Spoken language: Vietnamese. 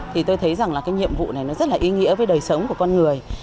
thì tôi thấy rằng là cái nhiệm vụ này nó rất là ý nghĩa với đời sống của con người